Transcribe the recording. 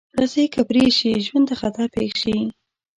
رسۍ که پرې شي، ژوند ته خطر پېښ شي.